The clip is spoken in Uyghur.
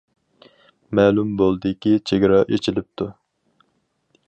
مەلۇم بولدىكى، چېگرا ئېچىلىپتۇ.